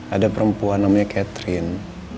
ada perempuan namanya catherine